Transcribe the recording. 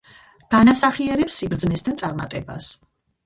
განასახიერებს სიბრძნეს და წარმატებას.